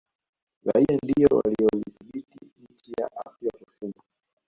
raia ndio waliyoidhibiti nchi ya afrika kusini